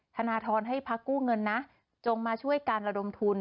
ธนทรให้พักกู้เงินนะจงมาช่วยการระดมทุน